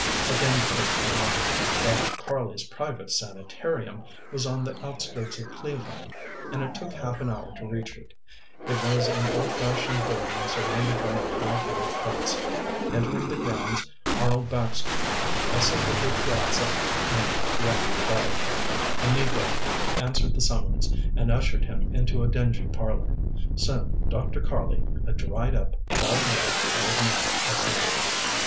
Again the coach went on. Dr. Karley's Private Sanitarium was on the outskirts of Cleveland, and it took half an hour to reach it. It was an old fashioned building surrounded by a high board fence. Entering the grounds, Arnold Baxter ascended the piazza and rang the bell. A negro answered the summons, and ushered him into a dingy parlor. Soon Dr. Karley, a dried up, bald headed, old man appeared.